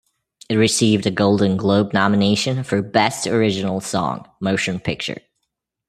It received a Golden Globe nomination for "Best Original Song - Motion Picture".